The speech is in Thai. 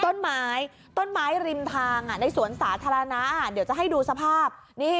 ต้นไม้ต้นไม้ริมทางในสวนสาธารณะเดี๋ยวจะให้ดูสภาพนี่